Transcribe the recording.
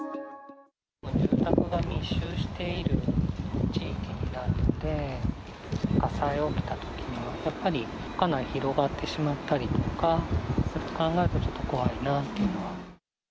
住宅が密集している地域なので、火災が起きたときにはやっぱり、かなり広がってしまったりとか、考えると怖いなというのは。